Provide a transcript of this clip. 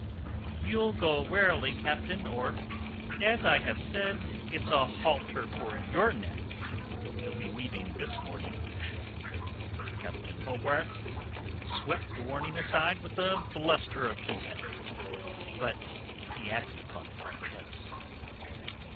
You'll go warily, Captain, or, as I've said, it's a halter for your neck ye'll be weaving this morning." Captain Hobart swept the warning aside with a bluster of contempt, but he acted upon it none the less.